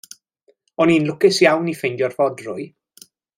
O'n i'n lwcus iawn i ffeindio'r fodrwy.